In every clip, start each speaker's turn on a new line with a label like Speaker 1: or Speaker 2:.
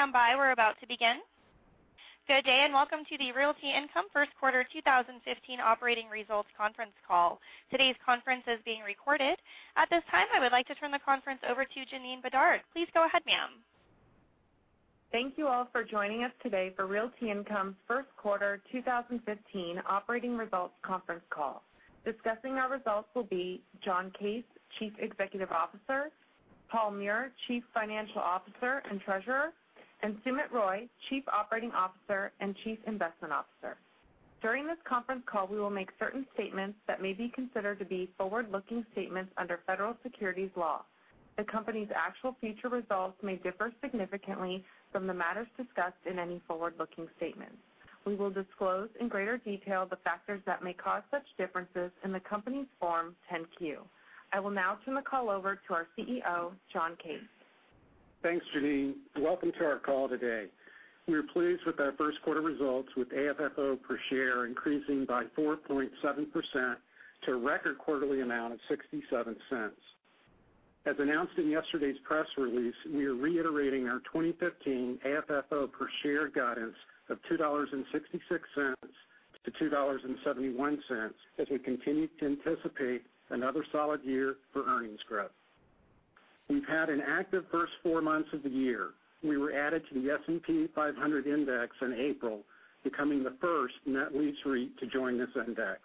Speaker 1: Please stand by. We're about to begin. Good day, welcome to the Realty Income First Quarter 2015 Operating Results Conference Call. Today's conference is being recorded. At this time, I would like to turn the conference over to Janeen Bedard. Please go ahead, ma'am.
Speaker 2: Thank you all for joining us today for Realty Income's First Quarter 2015 Operating Results Conference Call. Discussing our results will be John Case, Chief Executive Officer, Paul Meurer, Chief Financial Officer and Treasurer, and Sumit Roy, Chief Operating Officer and Chief Investment Officer. During this conference call, we will make certain statements that may be considered to be forward-looking statements under federal securities law. The company's actual future results may differ significantly from the matters discussed in any forward-looking statements. We will disclose in greater detail the factors that may cause such differences in the company's Form 10-Q. I will now turn the call over to our CEO, John Case.
Speaker 3: Thanks, Janeen, welcome to our call today. We are pleased with our first quarter results, with AFFO per share increasing by 4.7% to a record quarterly amount of $0.67. As announced in yesterday's press release, we are reiterating our 2015 AFFO per share guidance of $2.66-$2.71 as we continue to anticipate another solid year for earnings growth. We've had an active first four months of the year. We were added to the S&P 500 index in April, becoming the first net lease REIT to join this index.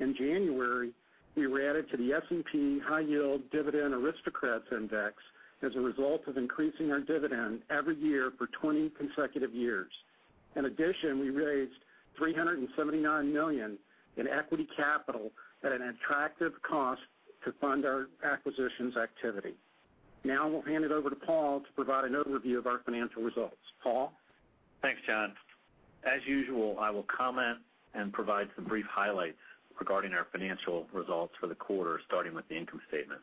Speaker 3: In January, we were added to the S&P High Yield Dividend Aristocrats Index as a result of increasing our dividend every year for 20 consecutive years. We raised $379 million in equity capital at an attractive cost to fund our acquisitions activity. Now, I'll hand it over to Paul Meurer to provide an overview of our financial results. Paul?
Speaker 4: Thanks, John. I will comment and provide some brief highlights regarding our financial results for the quarter, starting with the income statement.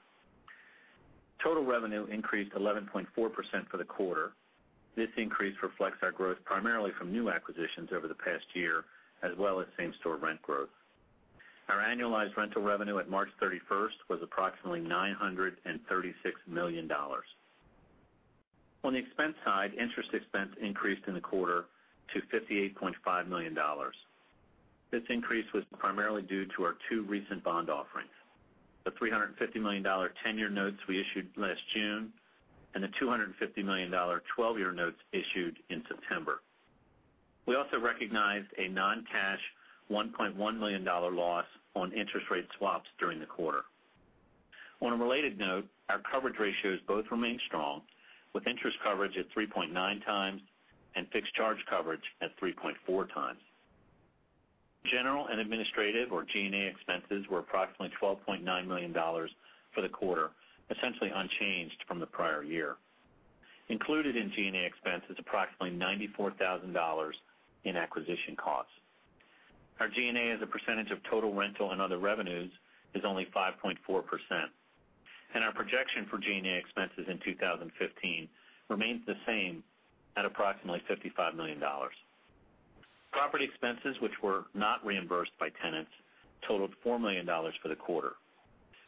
Speaker 4: Total revenue increased 11.4% for the quarter. This increase reflects our growth primarily from new acquisitions over the past year, as well as same-store rent growth. Our annualized rental revenue at March 31st was approximately $936 million. Interest expense increased in the quarter to $58.5 million. This increase was primarily due to our two recent bond offerings, the $350 million ten-year notes we issued last June, and the $250 million 12-year notes issued in September. We also recognized a non-cash $1.1 million loss on interest rate swaps during the quarter. Our coverage ratios both remain strong, with interest coverage at 3.9 times and fixed charge coverage at 3.4 times. General and administrative, or G&A expenses, were approximately $12.9 million for the quarter, essentially unchanged from the prior year. Included in G&A expense is approximately $94,000 in acquisition costs. Our G&A as a percentage of total rental and other revenues is only 5.4%, and our projection for G&A expenses in 2015 remains the same at approximately $55 million. Property expenses, which were not reimbursed by tenants, totaled $4 million for the quarter.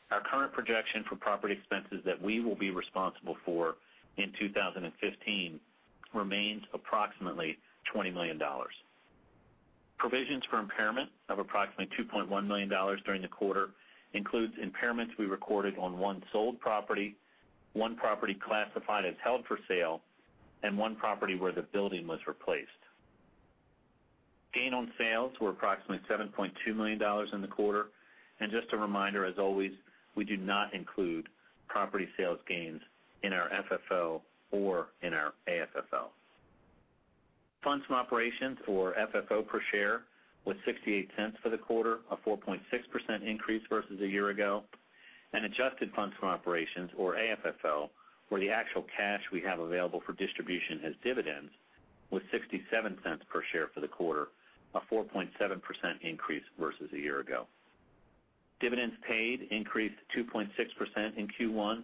Speaker 4: Our current projection for property expenses that we will be responsible for in 2015 remains approximately $20 million. Provisions for impairment of approximately $2.1 million during the quarter includes impairments we recorded on one sold property, one property classified as held for sale, and one property where the building was replaced. Gain on sales were approximately $7.2 million in the quarter. Just a reminder, as always, we do not include property sales gains in our FFO or in our AFFO. Funds from operations, or FFO per share, was $0.68 for the quarter, a 4.6% increase versus a year ago. Adjusted funds from operations, or AFFO, where the actual cash we have available for distribution as dividends, was $0.67 per share for the quarter, a 4.7% increase versus a year ago. Dividends paid increased 2.6% in Q1,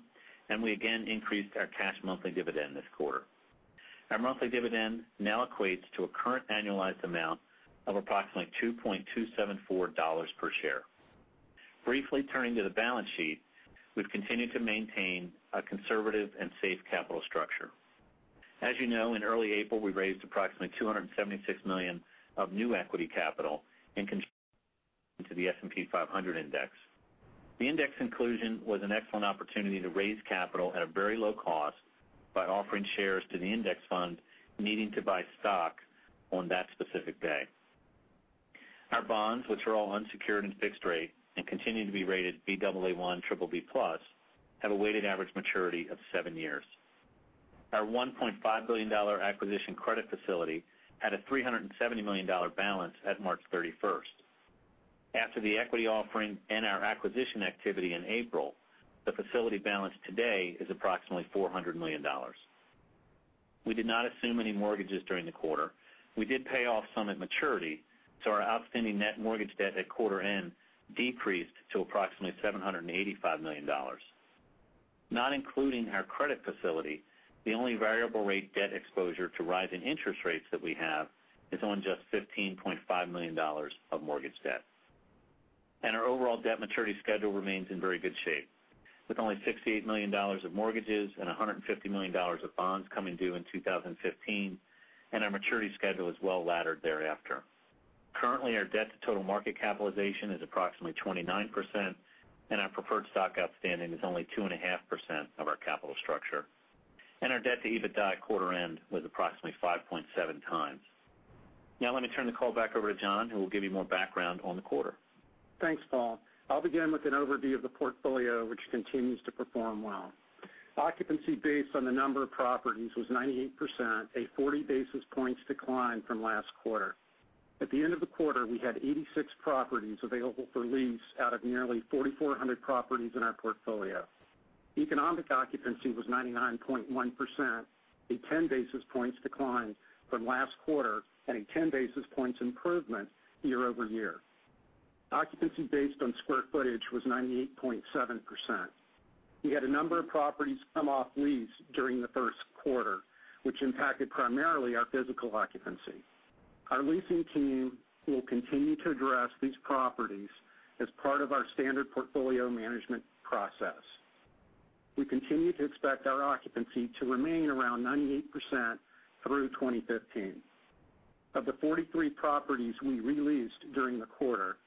Speaker 4: and we again increased our cash monthly dividend this quarter. Our monthly dividend now equates to a current annualized amount of approximately $2.274 per share. Briefly turning to the balance sheet, we've continued to maintain a conservative and safe capital structure. As you know, in early April, we raised approximately $276 million of new equity capital in conjunction to the S&P 500 index. The index inclusion was an excellent opportunity to raise capital at a very low cost by offering shares to the index fund needing to buy stock on that specific day. Our bonds, which are all unsecured and fixed rate and continue to be rated Baa1 BBB+, have a weighted average maturity of seven years. Our $1.5 billion acquisition credit facility had a $370 million balance at March 31st. After the equity offering and our acquisition activity in April, the facility balance today is approximately $400 million. We did not assume any mortgages during the quarter. We did pay off some at maturity, so our outstanding net mortgage debt at quarter end decreased to approximately $785 million. Not including our credit facility, the only variable rate debt exposure to rise in interest rates that we have is on just $15.5 million of mortgage debt. Our overall debt maturity schedule remains in very good shape, with only $68 million of mortgages and $150 million of bonds coming due in 2015, and our maturity schedule is well-laddered thereafter. Currently, our debt to total market capitalization is approximately 29%, and our preferred stock outstanding is only 2.5% of our capital structure. Our debt to EBITDA at quarter end was approximately 5.7 times. Now let me turn the call back over to John, who will give you more background on the quarter.
Speaker 3: Thanks, Paul. I'll begin with an overview of the portfolio, which continues to perform well. Occupancy based on the number of properties was 98%, a 40-basis points decline from last quarter. At the end of the quarter, we had 86 properties available for lease out of nearly 4,400 properties in our portfolio. Economic occupancy was 99.1%, a 10-basis points decline from last quarter and a 10-basis points improvement year-over-year. Occupancy based on square footage was 98.7%. We had a number of properties come off lease during the first quarter, which impacted primarily our physical occupancy. Our leasing team will continue to address these properties as part of our standard portfolio management process. We continue to expect our occupancy to remain around 98% through 2015. Of the 43 properties we re-leased during the quarter,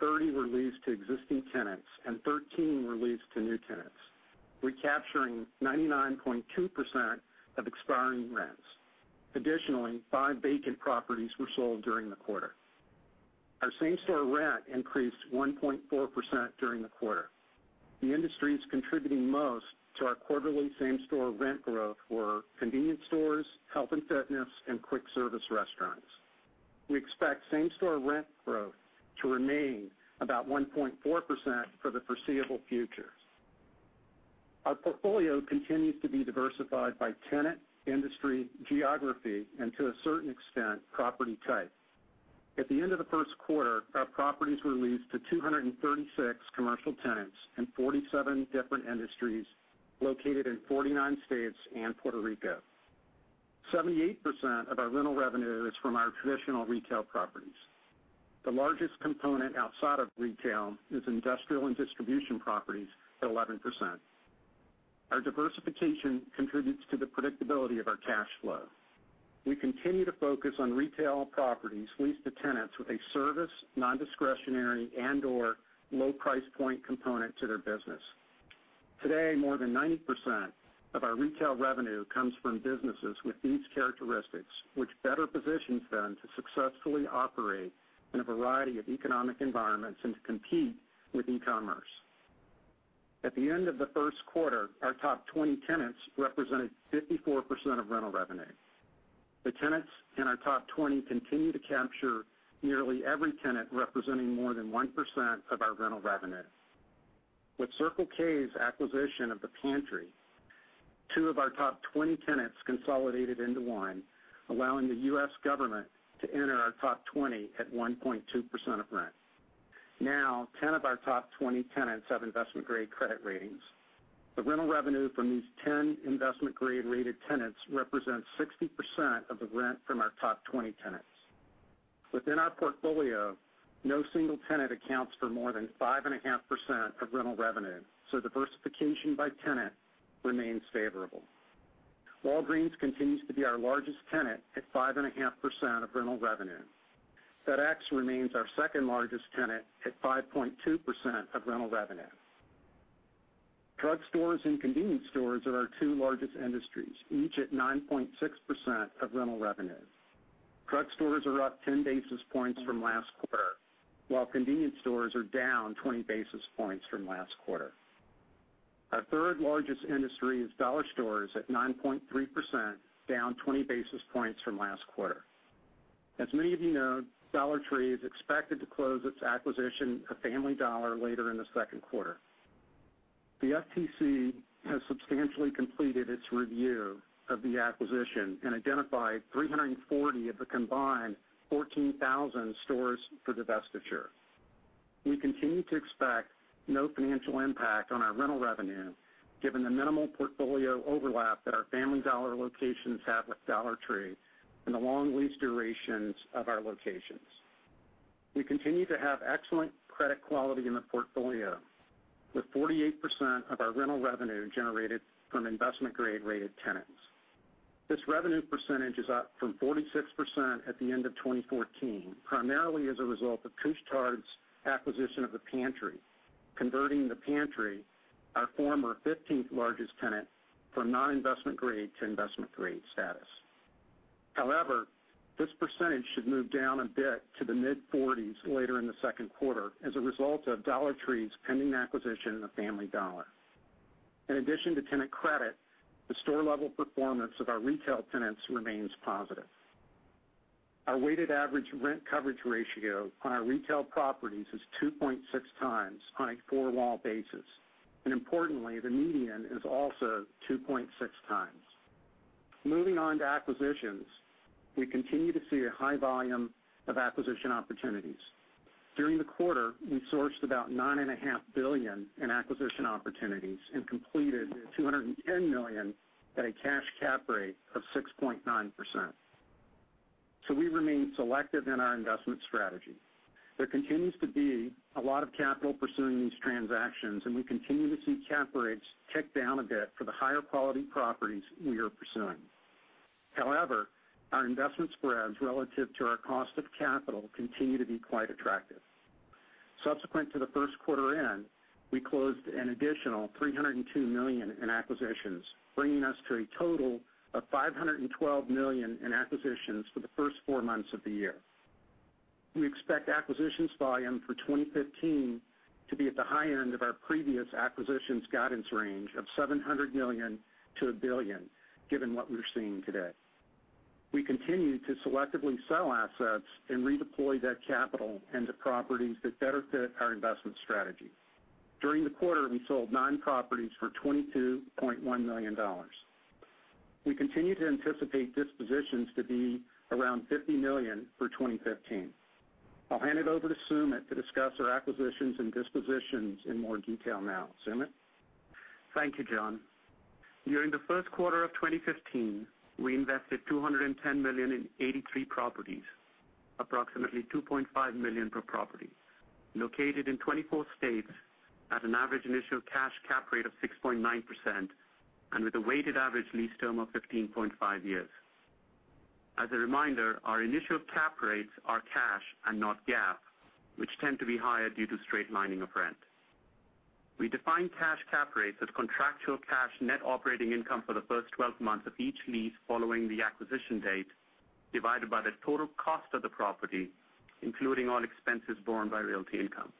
Speaker 3: 30 were leased to existing tenants and 13 were leased to new tenants, recapturing 99.2% of expiring rents. Additionally, five vacant properties were sold during the quarter. Our same store rent increased 1.4% during the quarter. The industries contributing most to our quarterly same store rent growth were convenience stores, health and fitness, and quick service restaurants. We expect same store rent growth to remain about 1.4% for the foreseeable future. Our portfolio continues to be diversified by tenant, industry, geography, and to a certain extent, property type. At the end of the first quarter, our properties were leased to 236 commercial tenants in 47 different industries, located in 49 states and Puerto Rico. 78% of our rental revenue is from our traditional retail properties. The largest component outside of retail is industrial and distribution properties at 11%. Our diversification contributes to the predictability of our cash flow. We continue to focus on retail properties leased to tenants with a service, non-discretionary, and/or low price point component to their business. Today, more than 90% of our retail revenue comes from businesses with these characteristics, which better positions them to successfully operate in a variety of economic environments and to compete with e-commerce. At the end of the first quarter, our top 20 tenants represented 54% of rental revenue. The tenants in our top 20 continue to capture nearly every tenant representing more than 1% of our rental revenue. With Circle K's acquisition of The Pantry, two of our top 20 tenants consolidated into one, allowing the U.S. government to enter our top 20 at 1.2% of rent. Now, 10 of our top 20 tenants have investment-grade credit ratings. The rental revenue from these 10 investment-grade rated tenants represents 60% of the rent from our top 20 tenants. Within our portfolio, no single tenant accounts for more than 5.5% of rental revenue, so diversification by tenant remains favorable. Walgreens continues to be our largest tenant at 5.5% of rental revenue. FedEx remains our second-largest tenant at 5.2% of rental revenue. Drug stores and convenience stores are our two largest industries, each at 9.6% of rental revenue. Drug stores are up 10 basis points from last quarter, while convenience stores are down 20 basis points from last quarter. Our third-largest industry is dollar stores at 9.3%, down 20 basis points from last quarter. As many of you know, Dollar Tree is expected to close its acquisition of Family Dollar later in the second quarter. The FTC has substantially completed its review of the acquisition and identified 340 of the combined 14,000 stores for divestiture. We continue to expect no financial impact on our rental revenue, given the minimal portfolio overlap that our Family Dollar locations have with Dollar Tree and the long lease durations of our locations. We continue to have excellent credit quality in the portfolio, with 48% of our rental revenue generated from investment-grade rated tenants. This revenue percentage is up from 46% at the end of 2014, primarily as a result of Couche-Tard's acquisition of The Pantry, converting The Pantry, our former 15th largest tenant, from non-investment grade to investment-grade status. This percentage should move down a bit to the mid-40s later in the second quarter as a result of Dollar Tree's pending acquisition of Family Dollar. In addition to tenant credit, the store-level performance of our retail tenants remains positive. Our weighted average rent coverage ratio on our retail properties is 2.6 times on a four-wall basis, and importantly, the median is also 2.6 times. Moving on to acquisitions, we continue to see a high volume of acquisition opportunities. During the quarter, we sourced about $9.5 billion in acquisition opportunities and completed $210 million at a cash cap rate of 6.9%. We remain selective in our investment strategy. There continues to be a lot of capital pursuing these transactions, and we continue to see cap rates tick down a bit for the higher quality properties we are pursuing. Our investment spreads relative to our cost of capital continue to be quite attractive. Subsequent to the first quarter end, we closed an additional $302 million in acquisitions, bringing us to a total of $512 million in acquisitions for the first four months of the year. We expect acquisitions volume for 2015 to be at the high end of our previous acquisitions guidance range of $700 million to $1 billion, given what we're seeing today. We continue to selectively sell assets and redeploy that capital into properties that better fit our investment strategy. During the quarter, we sold nine properties for $22.1 million. We continue to anticipate dispositions to be around $50 million for 2015. I'll hand it over to Sumit to discuss our acquisitions and dispositions in more detail now. Sumit?
Speaker 5: Thank you, John. During the first quarter of 2015, we invested $210 million in 83 properties, approximately $2.5 million per property, located in 24 states at an average initial cash cap rate of 6.9%, and with a weighted average lease term of 15.5 years. As a reminder, our initial cap rates are cash and not GAAP, which tend to be higher due to straight lining of rent. We define cash cap rates as contractual cash net operating income for the first 12 months of each lease following the acquisition date, divided by the total cost of the property, including all expenses borne by Realty Income.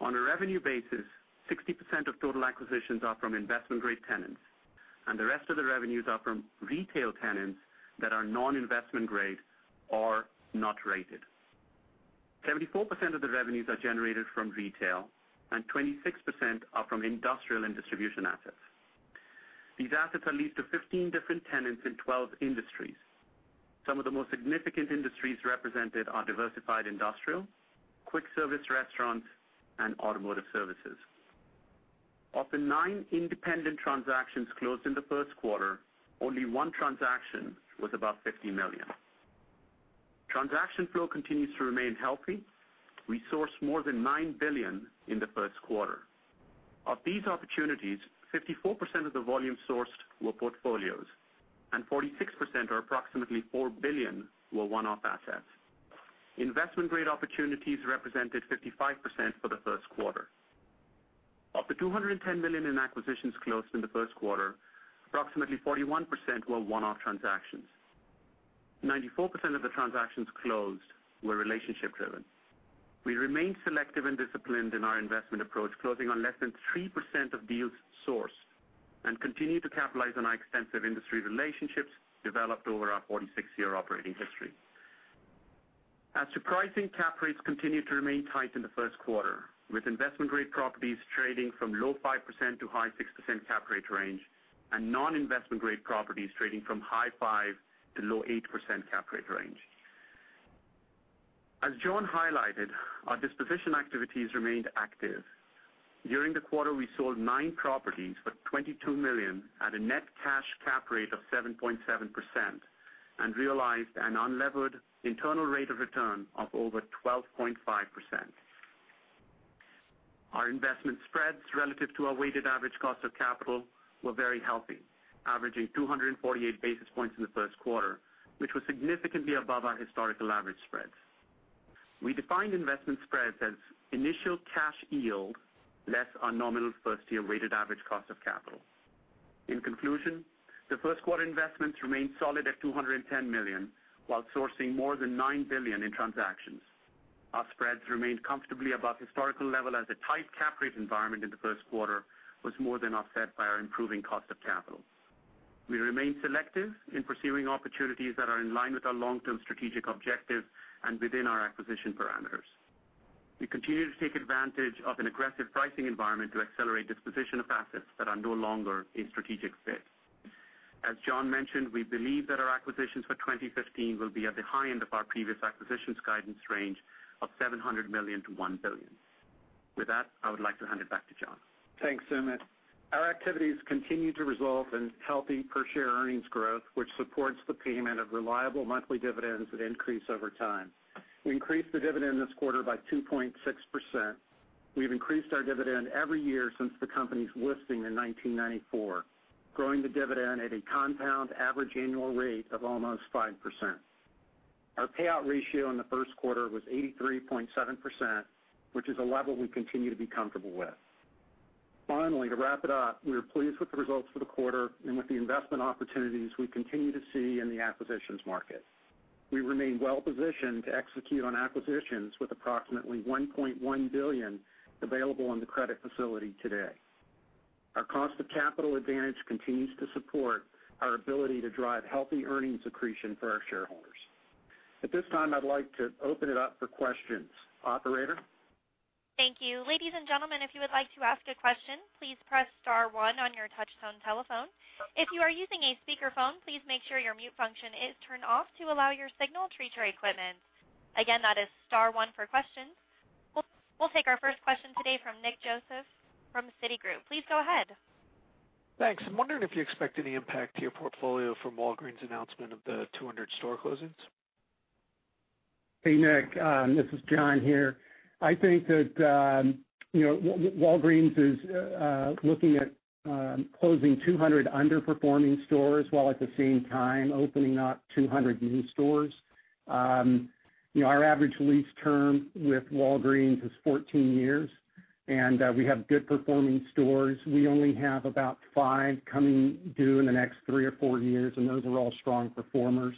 Speaker 5: On a revenue basis, 60% of total acquisitions are from investment-grade tenants, and the rest of the revenues are from retail tenants that are non-investment grade or not rated. 74% of the revenues are generated from retail and 26% are from industrial and distribution assets. These assets are leased to 15 different tenants in 12 industries. Some of the most significant industries represented are diversified industrial, quick service restaurants, and automotive services. Of the nine independent transactions closed in the first quarter, only one transaction was above $50 million. Transaction flow continues to remain healthy. We sourced more than $9 billion in the first quarter. Of these opportunities, 54% of the volume sourced were portfolios, and 46%, or approximately $4 billion, were one-off assets. Investment-grade opportunities represented 55% for the first quarter. Of the $210 million in acquisitions closed in the first quarter, approximately 41% were one-off transactions. 94% of the transactions closed were relationship-driven. We remain selective and disciplined in our investment approach, closing on less than 3% of deals sourced, and continue to capitalize on our extensive industry relationships developed over our 46-year operating history. As surprising cap rates continued to remain tight in the first quarter, with investment-grade properties trading from low 5%-high 6% cap rate range, and non-investment grade properties trading from high 5%-low 8% cap rate range. As John highlighted, our disposition activities remained active. During the quarter, we sold nine properties for $22 million at a net cash cap rate of 7.7% and realized an unlevered internal rate of return of over 12.5%. Our investment spreads relative to our weighted average cost of capital were very healthy, averaging 248 basis points in the first quarter, which was significantly above our historical average spreads. We defined investment spreads as initial cash yield less our nominal first-year weighted average cost of capital. In conclusion, the first quarter investments remained solid at $210 million while sourcing more than $9 billion in transactions. Our spreads remained comfortably above historical level as a tight cap rate environment in the first quarter was more than offset by our improving cost of capital. We remain selective in pursuing opportunities that are in line with our long-term strategic objectives and within our acquisition parameters. We continue to take advantage of an aggressive pricing environment to accelerate disposition of assets that are no longer a strategic fit. As John mentioned, we believe that our acquisitions for 2015 will be at the high end of our previous acquisitions guidance range of $700 million-$1 billion. With that, I would like to hand it back to John.
Speaker 3: Thanks, Sumit. Our activities continue to result in healthy per-share earnings growth, which supports the payment of reliable monthly dividends that increase over time. We increased the dividend this quarter by 2.6%. We've increased our dividend every year since the company's listing in 1994, growing the dividend at a compound average annual rate of almost 5%. Our payout ratio in the first quarter was 83.7%, which is a level we continue to be comfortable with. Finally, to wrap it up, we are pleased with the results for the quarter and with the investment opportunities we continue to see in the acquisitions market. We remain well-positioned to execute on acquisitions with approximately $1.1 billion available in the credit facility today. Our cost of capital advantage continues to support our ability to drive healthy earnings accretion for our shareholders. At this time, I'd like to open it up for questions. Operator?
Speaker 1: Thank you. Ladies and gentlemen, if you would like to ask a question, please press star one on your touchtone telephone. If you are using a speakerphone, please make sure your mute function is turned off to allow your signal to reach our equipment. Again, that is star one for questions. We'll take our first question today from Nicholas Joseph from Citigroup. Please go ahead.
Speaker 6: Thanks. I'm wondering if you expect any impact to your portfolio from Walgreens' announcement of the 200 store closings.
Speaker 3: Hey, Nick, this is John here. I think that Walgreens is looking at closing 200 underperforming stores, while at the same time opening up 200 new stores. Our average lease term with Walgreens is 14 years, and we have good performing stores. We only have about five coming due in the next three or four years, and those are all strong performers.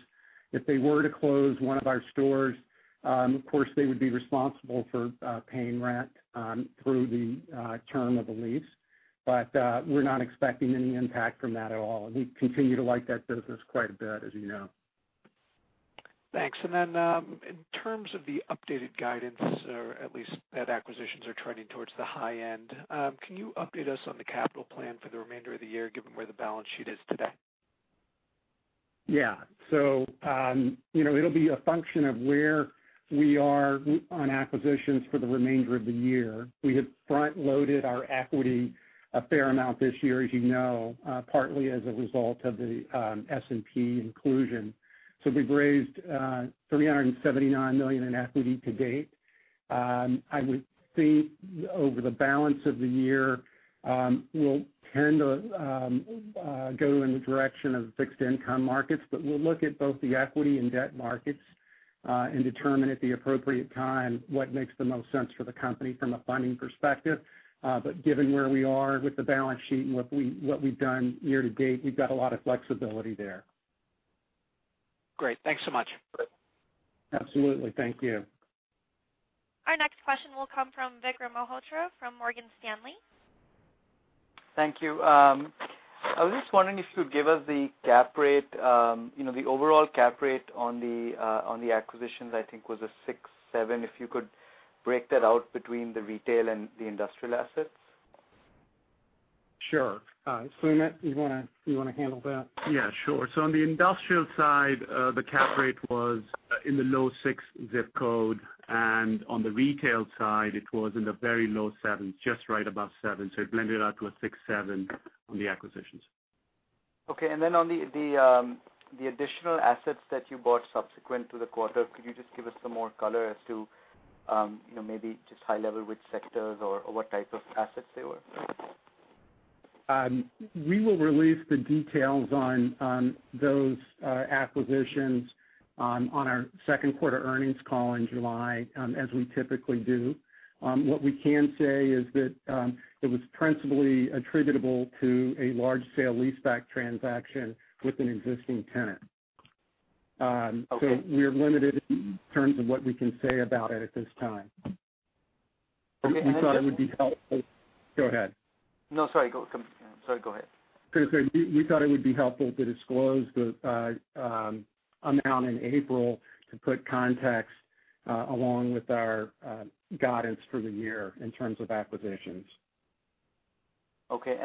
Speaker 3: If they were to close one of our stores, of course, they would be responsible for paying rent through the term of the lease. We're not expecting any impact from that at all. We continue to like that business quite a bit, as you know.
Speaker 6: Thanks. In terms of the updated guidance, or at least that acquisitions are trending towards the high end, can you update us on the capital plan for the remainder of the year, given where the balance sheet is today?
Speaker 3: Yeah. It'll be a function of where we are on acquisitions for the remainder of the year. We had front-loaded our equity a fair amount this year, as you know, partly as a result of the S&P inclusion. We've raised $379 million in equity to date. I would think over the balance of the year, we'll tend to go in the direction of fixed income markets, we'll look at both the equity and debt markets, and determine at the appropriate time what makes the most sense for the company from a funding perspective. Given where we are with the balance sheet and what we've done year to date, we've got a lot of flexibility there.
Speaker 6: Great. Thanks so much.
Speaker 3: Absolutely. Thank you.
Speaker 1: Our next question will come from Vikram Malhotra from Morgan Stanley.
Speaker 7: Thank you. I was just wondering if you could give us the overall cap rate on the acquisitions, I think was a 6.7, if you could break that out between the retail and the industrial assets.
Speaker 3: Sure. Sumit, you want to handle that?
Speaker 5: Yeah, sure. On the industrial side, the cap rate was in the low 6 ZIP code, and on the retail side, it was in the very low 7s, just right above 7. It blended out to a 6.7 on the acquisitions.
Speaker 7: Okay. On the additional assets that you bought subsequent to the quarter, could you just give us some more color as to maybe just high level which sectors or what type of assets they were?
Speaker 3: We will release the details on those acquisitions on our second quarter earnings call in July, as we typically do. What we can say is that it was principally attributable to a large sale-leaseback transaction with an existing tenant.
Speaker 7: Okay.
Speaker 3: We're limited in terms of what we can say about it at this time. We thought it would be helpful Go ahead.
Speaker 7: No, sorry. Go ahead.
Speaker 3: I was going to say, we thought it would be helpful to disclose the amount in April to put context along with our guidance for the year in terms of acquisitions.
Speaker 7: Okay.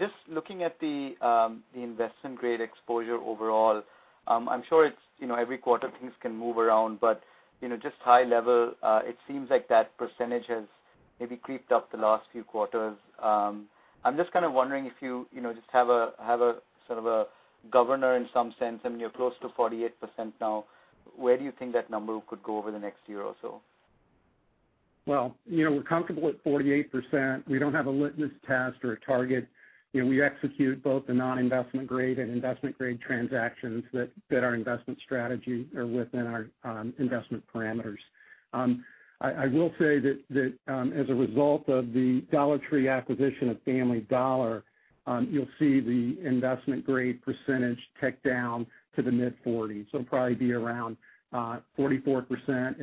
Speaker 7: Just looking at the investment-grade exposure overall, I'm sure every quarter things can move around, but just high level, it seems like that percentage has maybe creeped up the last few quarters. I'm just kind of wondering if you just have a sort of a governor in some sense. I mean, you're close to 48% now. Where do you think that number could go over the next year or so?
Speaker 3: Well, we're comfortable at 48%. We don't have a litmus test or a target. We execute both the non-investment-grade and investment-grade transactions that our investment strategy are within our investment parameters. I will say that as a result of the Dollar Tree acquisition of Family Dollar, you'll see the investment-grade percentage tick down to the mid-40s. It'll probably be around 44%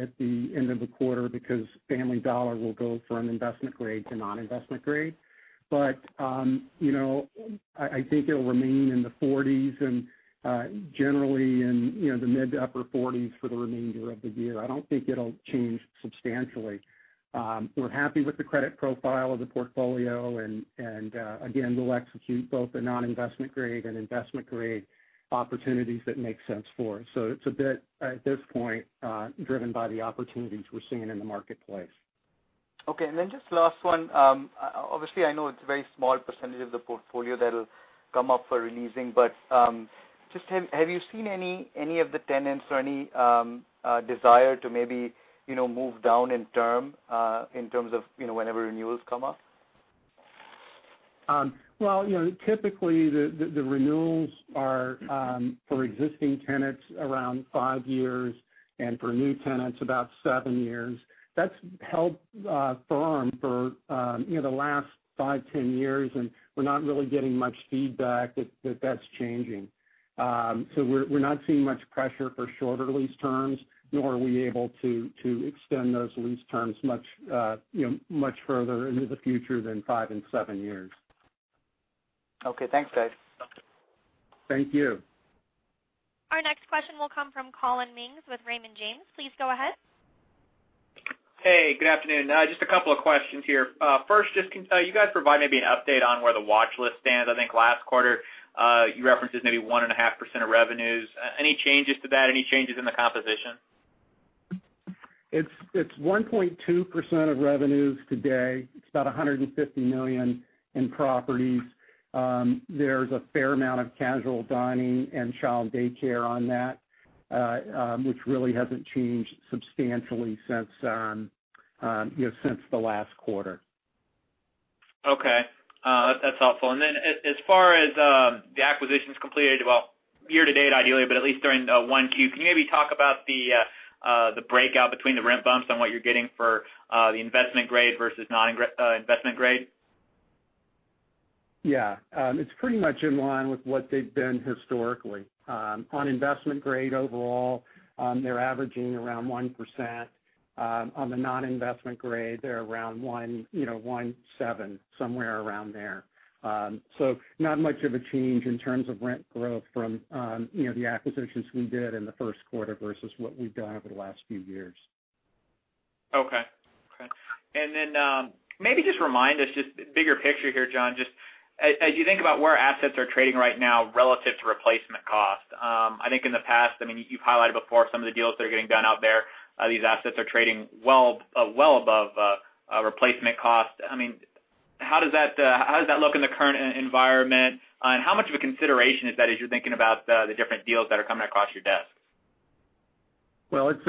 Speaker 3: at the end of the quarter because Family Dollar will go from investment-grade to non-investment-grade. I think it'll remain in the 40s and generally in the mid to upper 40s for the remainder of the year. I don't think it'll change substantially. We're happy with the credit profile of the portfolio, and again, we'll execute both the non-investment-grade and investment-grade opportunities that make sense for us. It's a bit, at this point, driven by the opportunities we're seeing in the marketplace.
Speaker 7: Okay, just last one. Obviously, I know it's a very small percentage of the portfolio that'll come up for re-leasing, but just have you seen any of the tenants or any desire to maybe move down in terms of whenever renewals come up?
Speaker 3: Well, typically the renewals are for existing tenants around five years, and for new tenants, about seven years. That's held firm for the last five, 10 years, and we're not really getting much feedback that that's changing. We're not seeing much pressure for shorter lease terms, nor are we able to extend those lease terms much further into the future than five and seven years.
Speaker 7: Okay. Thanks, guys.
Speaker 3: Thank you.
Speaker 1: Our next question will come from Collin Mings with Raymond James. Please go ahead.
Speaker 8: Hey, good afternoon. Just a couple of questions here. First, can you guys provide maybe an update on where the watchlist stands? I think last quarter, you referenced it as maybe 1.5% of revenues. Any changes to that? Any changes in the composition?
Speaker 3: It's 1.2% of revenues today. It's about $150 million in properties. There's a fair amount of casual dining and child daycare on that which really hasn't changed substantially since the last quarter.
Speaker 8: Okay. That's helpful. Then as far as the acquisitions completed, well, year to date ideally, but at least during 1Q, can you maybe talk about the breakout between the rent bumps and what you're getting for the investment grade versus non-investment grade?
Speaker 3: Yeah. It's pretty much in line with what they've been historically. On investment grade overall, they're averaging around 1%. On the non-investment grade, they're around 1.7%, somewhere around there. Not much of a change in terms of rent growth from the acquisitions we did in the first quarter versus what we've done over the last few years.
Speaker 8: Okay. Then maybe just remind us, just bigger picture here, John, just as you think about where assets are trading right now relative to replacement cost. I think in the past, you've highlighted before some of the deals that are getting done out there. These assets are trading well above replacement cost. How does that look in the current environment? How much of a consideration is that as you're thinking about the different deals that are coming across your desk?
Speaker 3: Well, it's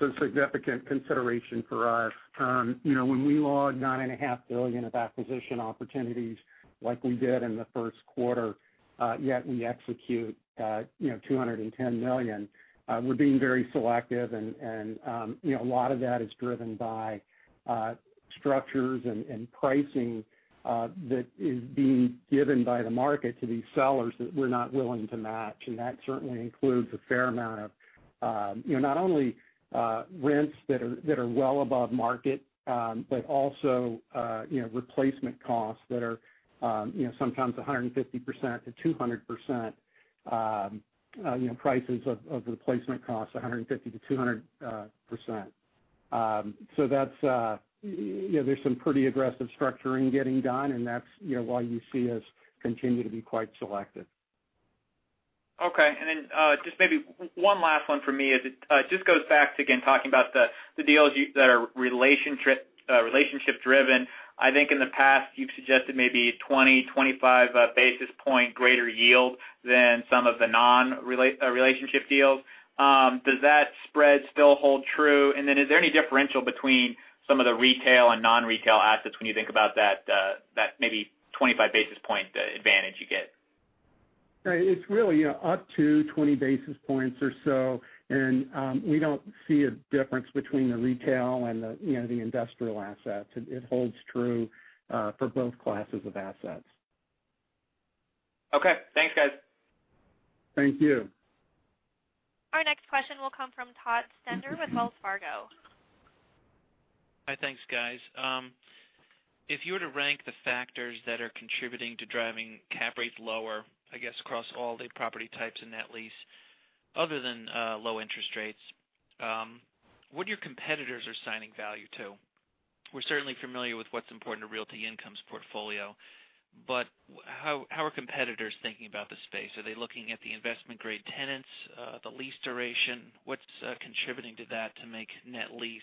Speaker 3: a significant consideration for us. When we log $9.5 billion of acquisition opportunities like we did in the first quarter, yet we execute $210 million, we're being very selective and a lot of that is driven by structures and pricing that is being given by the market to these sellers that we're not willing to match. That certainly includes a fair amount of not only rents that are well above market, but also replacement costs that are sometimes 150%-200%, prices of replacement costs, 150%-200%. There's some pretty aggressive structuring getting done, and that's why you see us continue to be quite selective.
Speaker 8: Okay. Just maybe one last one for me is it just goes back to, again, talking about the deals that are relationship-driven. I think in the past you've suggested maybe 20, 25 basis point greater yield than some of the non-relationship deals. Does that spread still hold true? Is there any differential between some of the retail and non-retail assets when you think about that maybe 25 basis point advantage you get?
Speaker 3: It's really up to 20 basis points or so, we don't see a difference between the retail and the industrial assets. It holds true for both classes of assets.
Speaker 8: Okay. Thanks, guys.
Speaker 3: Thank you.
Speaker 1: Our next question will come from Todd Stender with Wells Fargo.
Speaker 9: Hi. Thanks, guys. If you were to rank the factors that are contributing to driving cap rates lower, I guess, across all the property types in net lease, other than low interest rates, what do your competitors are assigning value to? We're certainly familiar with what's important to Realty Income's portfolio, but how are competitors thinking about the space? Are they looking at the investment-grade tenants, the lease duration? What's contributing to that to make net lease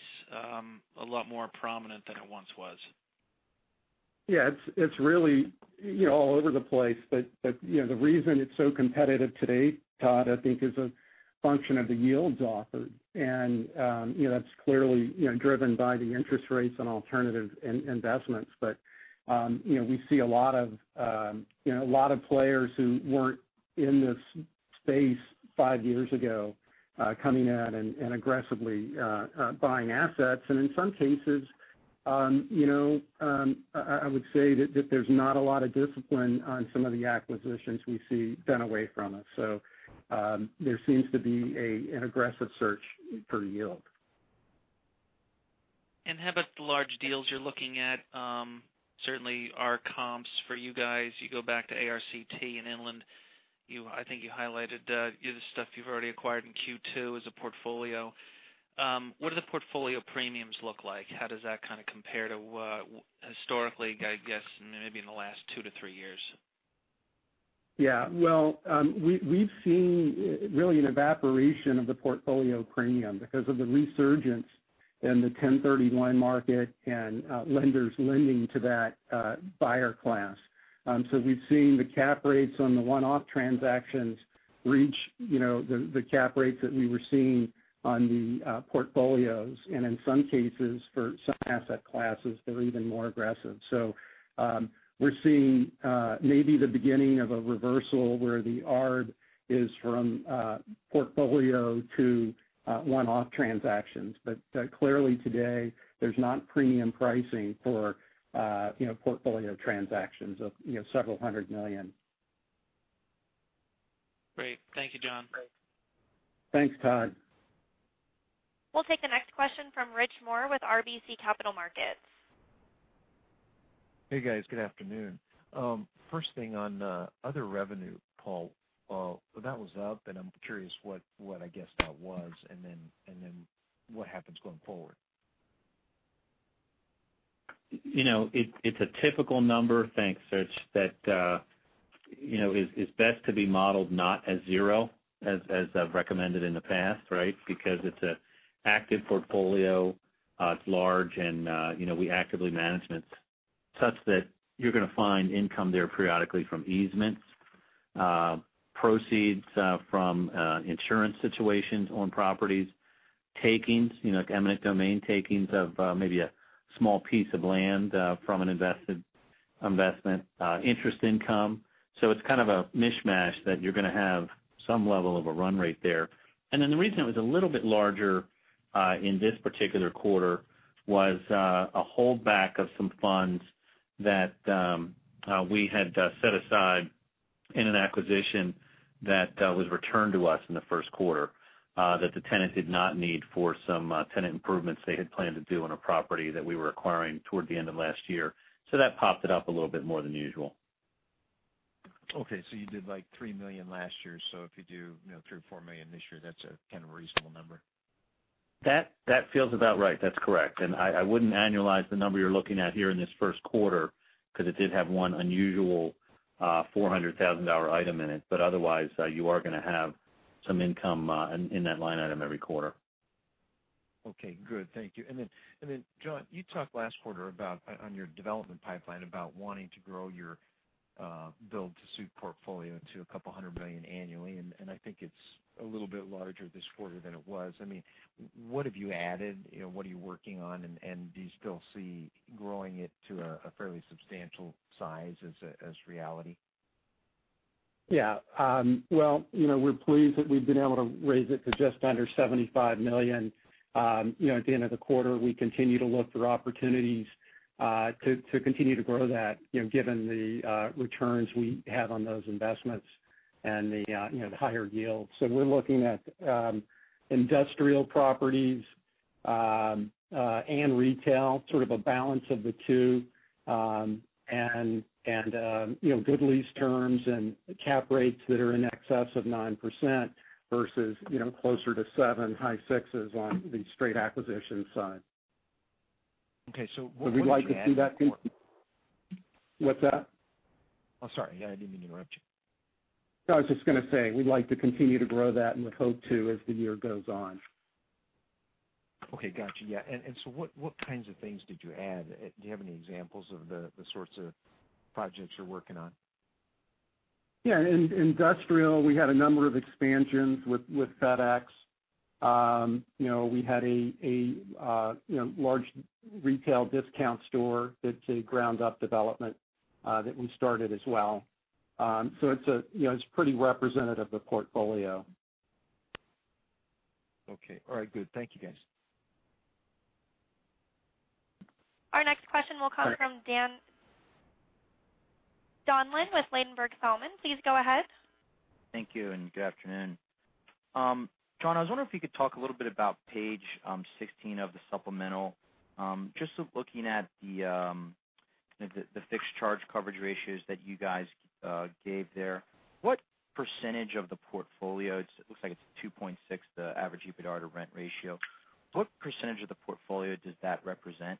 Speaker 9: a lot more prominent than it once was?
Speaker 3: Yeah, it's really all over the place. The reason it's so competitive today, Todd, I think is a function of the yields offered. That's clearly driven by the interest rates on alternative investments. We see a lot of players who weren't in this space five years ago coming in and aggressively buying assets. In some cases, I would say that there's not a lot of discipline on some of the acquisitions we see done away from us. There seems to be an aggressive search for yield.
Speaker 9: How about the large deals you're looking at? Certainly our comps for you guys, you go back to ARCT and Inland. I think you highlighted the stuff you've already acquired in Q2 as a portfolio. What do the portfolio premiums look like? How does that kind of compare to historically, I guess maybe in the last two to three years?
Speaker 3: Well, we've seen really an evaporation of the portfolio premium because of the resurgence in the 1031 market and lenders lending to that buyer class. We've seen the cap rates on the one-off transactions reach the cap rates that we were seeing on the portfolios, and in some cases, for some asset classes, they're even more aggressive. We're seeing maybe the beginning of a reversal where the arb is from portfolio to one-off transactions. Clearly today, there's not premium pricing for portfolio transactions of $several hundred million.
Speaker 9: Great. Thank you, John.
Speaker 3: Thanks, Todd.
Speaker 1: We'll take the next question from Rich Moore with RBC Capital Markets.
Speaker 10: Hey, guys. Good afternoon. First thing on other revenue, Paul. That was up. I'm curious what I guess that was, what happens going forward.
Speaker 4: It's a typical number, thanks, Rich, that is best to be modeled not as zero, as I've recommended in the past, right? Because it's an active portfolio. It's large, and we actively manage such that you're going to find income there periodically from easements, proceeds from insurance situations on properties, takings, eminent domain takings of maybe a small piece of land from an investment, interest income. It's kind of a mishmash that you're going to have some level of a run rate there. The reason it was a little bit larger, in this particular quarter, was a holdback of some funds that we had set aside in an acquisition that was returned to us in the first quarter, that the tenant did not need for some tenant improvements they had planned to do on a property that we were acquiring toward the end of last year. That popped it up a little bit more than usual.
Speaker 10: Okay. You did like $3 million last year. If you do $3 million or $4 million this year, that's a kind of a reasonable number.
Speaker 4: That feels about right. That's correct. I wouldn't annualize the number you're looking at here in this first quarter because it did have one unusual, $400,000 item in it. Otherwise, you are going to have some income in that line item every quarter.
Speaker 10: Okay, good. Thank you. John, you talked last quarter about, on your development pipeline, about wanting to grow your build-to-suit portfolio to a couple hundred million annually, and I think it's a little bit larger this quarter than it was. What have you added? What are you working on, and do you still see growing it to a fairly substantial size as reality?
Speaker 3: Yeah. Well, we're pleased that we've been able to raise it to just under $75 million. At the end of the quarter, we continue to look for opportunities to continue to grow that, given the returns we have on those investments and the higher yields. We're looking at industrial properties and retail, sort of a balance of the two. Good lease terms and cap rates that are in excess of 9% versus closer to seven high sixes on the straight acquisition side.
Speaker 10: Okay.
Speaker 3: We'd like to see.. What's that?
Speaker 10: Oh, sorry. Yeah, I didn't mean to interrupt you.
Speaker 3: No, I was just going to say, we'd like to continue to grow that and would hope to as the year goes on.
Speaker 10: Okay. Got you. Yeah. What kinds of things did you add? Do you have any examples of the sorts of projects you're working on?
Speaker 3: Yeah. In industrial, we had a number of expansions with FedEx. We had a large retail discount store that's a ground-up development that we started as well. It's pretty representative of the portfolio.
Speaker 10: Okay. All right. Good. Thank you, guys.
Speaker 1: Our next question will come from Dan Donlin with Ladenburg Thalmann. Please go ahead.
Speaker 11: Thank you, good afternoon. John, I was wondering if you could talk a little bit about page 16 of the supplemental. Just looking at the fixed charge coverage ratios that you guys gave there. What percentage of the portfolio, it looks like it's 2.6, the average EBITDA to rent ratio. What percentage of the portfolio does that represent?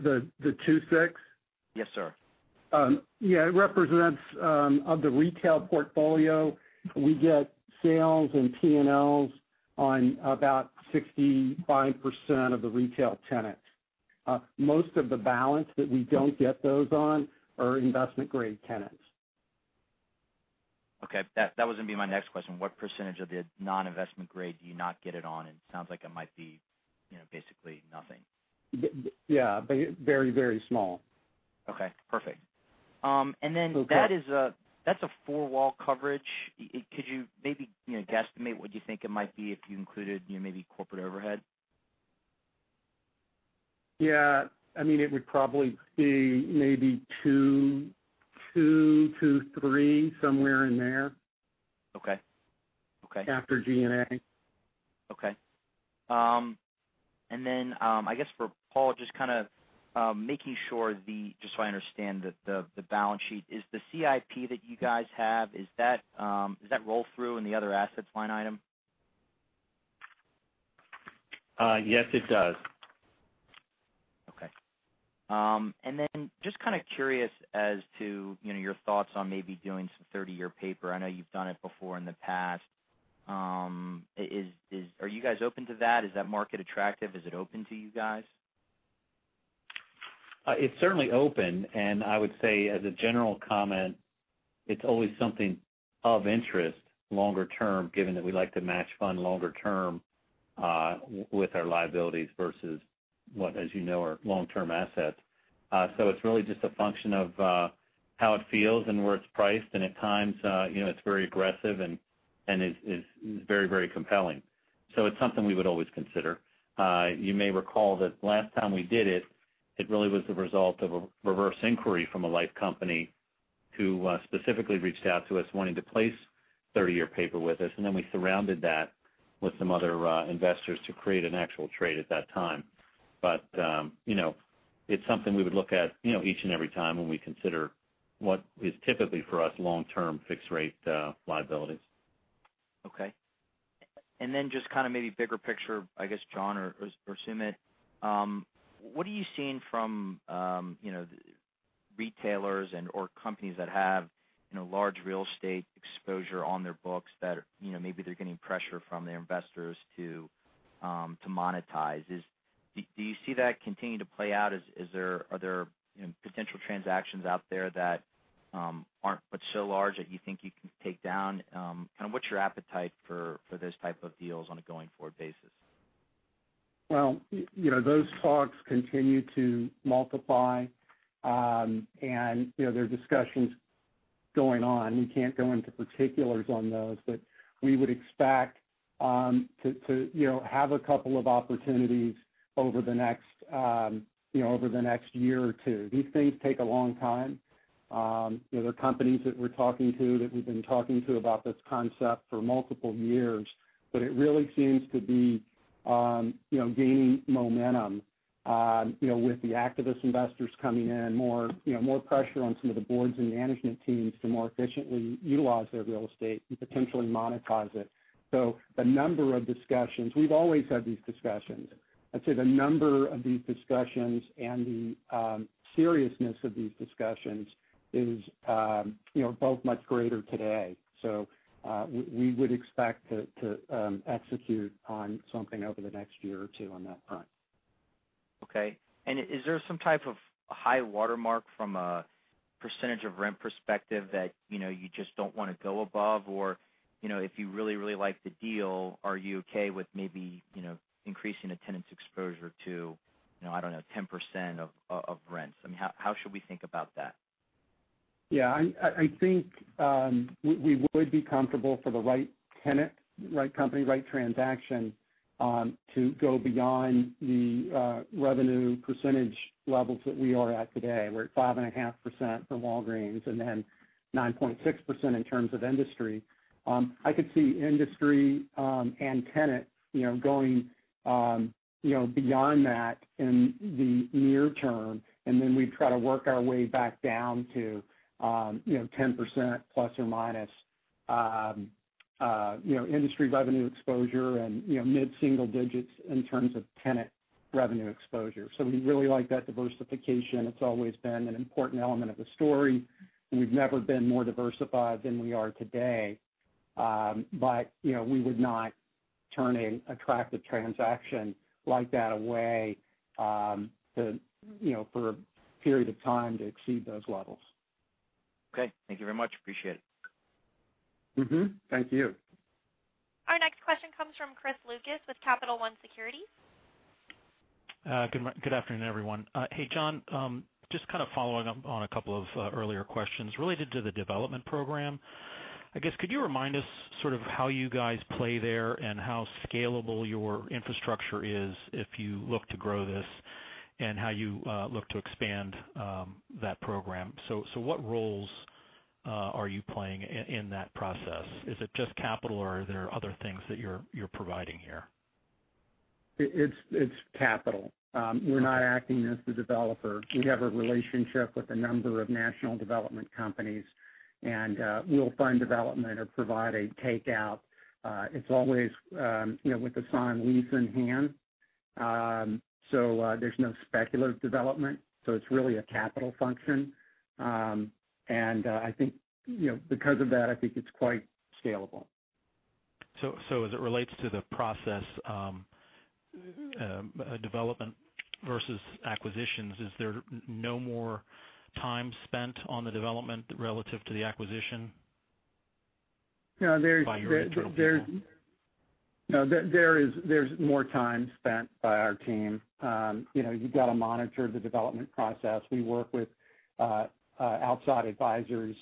Speaker 3: The 2.6?
Speaker 11: Yes, sir.
Speaker 3: Yeah. It represents, of the retail portfolio, we get sales and P&Ls on about 65% of the retail tenants. Most of the balance that we don't get those on are investment-grade tenants.
Speaker 11: Okay. That was going to be my next question. What percentage of the non-investment grade do you not get it on, and it sounds like it might be basically nothing.
Speaker 3: Yeah. Very, very small.
Speaker 11: Okay, perfect.
Speaker 3: Okay.
Speaker 11: That's a four-wall coverage. Could you maybe guesstimate what you think it might be if you included maybe corporate overhead?
Speaker 3: Yeah. It would probably be maybe two to three, somewhere in there.
Speaker 11: Okay.
Speaker 3: After G&A.
Speaker 11: Okay. I guess for Paul, just kind of making sure, just so I understand the balance sheet, is the CIP that you guys have, does that roll through in the other assets line item?
Speaker 4: Yes, it does.
Speaker 11: Okay. Then just kind of curious as to your thoughts on maybe doing some 30-year paper. I know you've done it before in the past. Are you guys open to that? Is that market attractive? Is it open to you guys?
Speaker 4: It's certainly open, I would say, as a general comment, it's always something of interest longer term, given that we like to match fund longer term with our liabilities versus what, as you know, are long-term assets. It's really just a function of how it feels and where it's priced, at times, it's very aggressive and is very compelling. It's something we would always consider. You may recall that last time we did it really was the result of a reverse inquiry from a life company who specifically reached out to us wanting to place 30-year paper with us, then we surrounded that with some other investors to create an actual trade at that time. It's something we would look at each and every time when we consider what is typically for us long-term fixed rate liabilities.
Speaker 11: Okay. Then just maybe bigger picture, I guess, John or Sumit, what are you seeing from retailers or companies that have large real estate exposure on their books that maybe they're getting pressure from their investors to monetize? Do you see that continuing to play out? Are there potential transactions out there that aren't but so large that you think you can take down? What's your appetite for those type of deals on a going-forward basis?
Speaker 3: Well, those talks continue to multiply. There are discussions going on. We can't go into particulars on those, but we would expect to have a couple of opportunities over the next year or two. These things take a long time. There are companies that we're talking to that we've been talking to about this concept for multiple years, but it really seems to be gaining momentum with the activist investors coming in, more pressure on some of the boards and management teams to more efficiently utilize their real estate and potentially monetize it. The number of discussions, we've always had these discussions. I'd say the number of these discussions and the seriousness of these discussions is both much greater today. We would expect to execute on something over the next year or two on that front.
Speaker 11: Okay. Is there some type of high watermark from a percentage of rent perspective that you just don't want to go above? If you really like the deal, are you okay with maybe increasing a tenant's exposure to, I don't know, 10% of rents? How should we think about that?
Speaker 3: Yeah, I think we would be comfortable for the right tenant, right company, right transaction to go beyond the revenue percentage levels that we are at today. We're at 5.5% for Walgreens, 9.6% in terms of industry. I could see industry and tenant going beyond that in the near term, we'd try to work our way back down to 10% plus or minus industry revenue exposure and mid-single digits in terms of tenant revenue exposure. We really like that diversification. It's always been an important element of the story. We've never been more diversified than we are today. We would not turn an attractive transaction like that away for a period of time to exceed those levels.
Speaker 11: Okay. Thank you very much. Appreciate it.
Speaker 3: Mm-hmm. Thank you.
Speaker 1: Our next question comes from Chris Lucas with Capital One Securities.
Speaker 12: Good afternoon, everyone. Hey, John, just kind of following up on a couple of earlier questions related to the development program. I guess, could you remind us sort of how you guys play there and how scalable your infrastructure is if you look to grow this and how you look to expand that program? What roles are you playing in that process? Is it just capital, or are there other things that you're providing here?
Speaker 3: It's capital. We're not acting as the developer. We have a relationship with a number of national development companies, and we'll fund development or provide a takeout. It's always with a signed lease in hand. There's no speculative development. It's really a capital function. I think because of that, I think it's quite scalable.
Speaker 12: as it relates to the process, development versus acquisitions, is there no more time spent on the development relative to the acquisition-
Speaker 3: No, there-
Speaker 12: by your internal people?
Speaker 3: No, there's more time spent by our team. You've got to monitor the development process. We work with outside advisors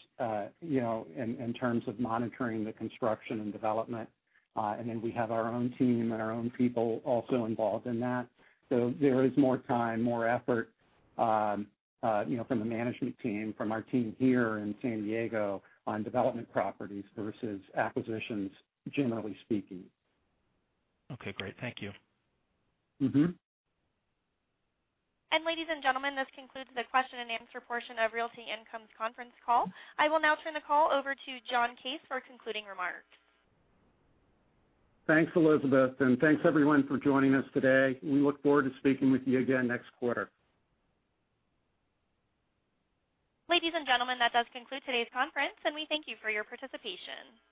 Speaker 3: in terms of monitoring the construction and development. Then we have our own team and our own people also involved in that. there is more time, more effort from the management team, from our team here in San Diego on development properties versus acquisitions, generally speaking.
Speaker 12: Okay, great. Thank you.
Speaker 1: Ladies and gentlemen, this concludes the question and answer portion of Realty Income's conference call. I will now turn the call over to John Case for concluding remarks.
Speaker 3: Thanks, Elizabeth, and thanks everyone for joining us today. We look forward to speaking with you again next quarter.
Speaker 1: Ladies and gentlemen, that does conclude today's conference, and we thank you for your participation.